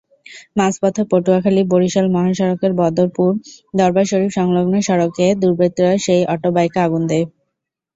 মাঝপথে পটুয়াখালী-বরিশাল মহাসড়কের বদরপুর দরবার শরিফ-সংলগ্ন সড়কে দুর্বৃত্তরা সেই অটোবাইকে আগুন দেয়।